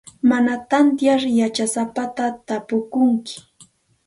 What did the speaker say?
Mana tantiyar yachasapata tapunaykim.